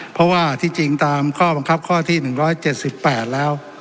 เพราะว่าที่จริงตามข้อบังคับข้อที่หนึ่งร้อยเจ็ดสิบแปดแล้ว